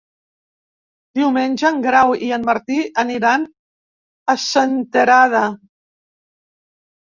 Diumenge en Grau i en Martí aniran a Senterada.